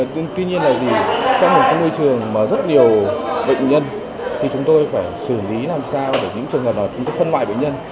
tuy nhiên là trong một nơi trường mà rất nhiều bệnh nhân thì chúng tôi phải xử lý làm sao để những trường hợp đó chúng tôi phân ngoại bệnh nhân